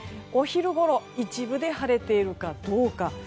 お昼ごろ一部で晴れているかどうか。